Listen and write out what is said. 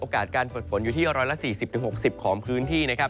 การเกิดฝนอยู่ที่๑๔๐๖๐ของพื้นที่นะครับ